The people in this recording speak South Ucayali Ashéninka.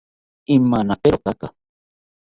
Imanaperotaka